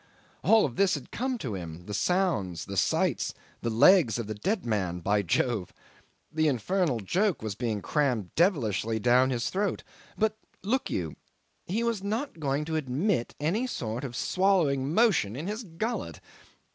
All this had come to him: the sounds, the sights, the legs of the dead man by Jove! The infernal joke was being crammed devilishly down his throat, but look you he was not going to admit of any sort of swallowing motion in his gullet.